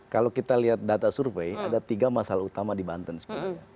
kalau kita lihat data survei ada tiga masalah utama di banten sebenarnya